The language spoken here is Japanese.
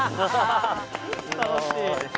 楽しい。